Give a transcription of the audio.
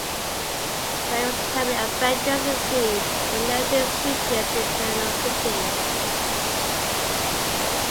Various comic adventures ensue as the narrative switches to the Eternal City.